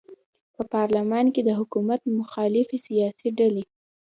په پارلمان کې د حکومت مخالفې سیاسي ډلې